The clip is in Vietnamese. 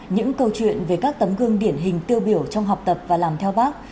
những câu chuyện về các tấm gương điển hình tiêu biểu trong học tập và làm theo bác